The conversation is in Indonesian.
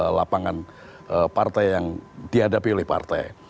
bagaimana dengan lapangan partai yang dihadapi oleh partai